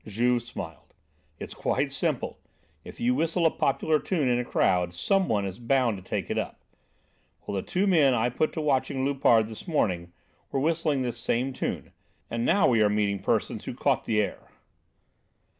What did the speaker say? Juve smiled. "It's quite simple. If you whistle a popular tune in a crowd, some one is bound to take it up. Well, the two men I put to watching Loupart this morning were whistling this same tune, and now we are meeting persons who caught the air."